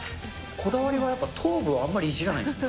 こだわりはやっぱ頭部はあんまりいじらないんですね。